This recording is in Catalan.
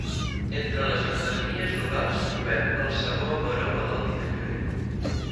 Entre les artesanies locals trobem el sabó amb aroma d'oli de llorer.